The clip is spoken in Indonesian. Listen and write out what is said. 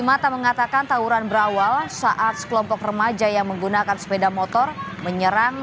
mata mengatakan tawuran berawal saat sekelompok remaja yang menggunakan sepeda motor menyerang